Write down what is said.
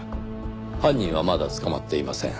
犯人はまだ捕まっていません。